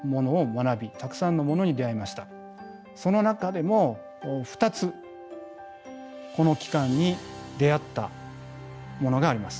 その中でも２つこの期間に出会ったものがあります。